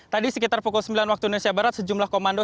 tadi sekitar pukul sembilan waktu indonesia barat sejumlah komando